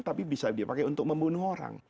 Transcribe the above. tapi bisa dipakai untuk membunuh orang